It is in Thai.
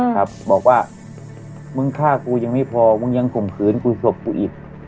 ครับบอกว่ามึงฆ่ากูยังไม่พอมึงยังข่มขืนกูศพกูอีก